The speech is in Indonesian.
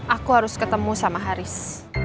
aku harus ketemu sama haris